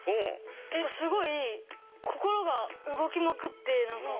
すごい心が動きまくって何か。